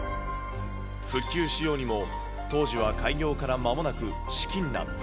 復旧しようにも、当時は開業からまもなく資金難。